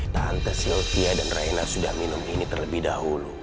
tahante sylvia dan raina sudah minum ini terlebih dahulu